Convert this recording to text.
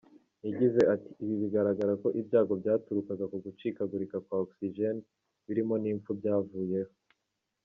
Yagize ati “Bigaragara ko ibyago byaturukaga ku gucikagurika kwa Oxygen, birimo n’impfu byavuyeho.